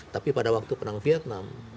tapi pada waktu perang vietnam